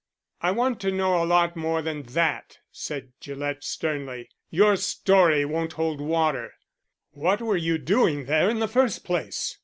"I want to know a lot more than that," said Gillett sternly. "Your story won't hold water. What were you doing there in the first place?